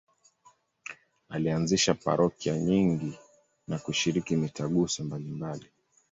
Alianzisha parokia nyingi na kushiriki mitaguso mbalimbali.